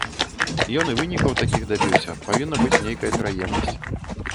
Ён і вынікаў такіх дабіўся, павінна быць нейкая пераемнасць.